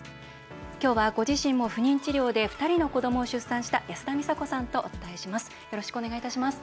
今日は、ご自身も不妊治療で２人の子どもを出産した安田美沙子さんとお伝えします。